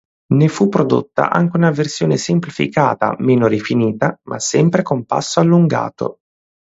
Ne fu prodotta anche una versione semplificata, meno rifinita, ma sempre con passo allungato.